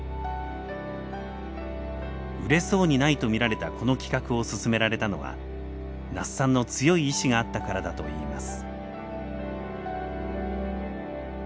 売れそうにないとみられたこの企画を進められたのは那須さんの強い意志があったからだといいます。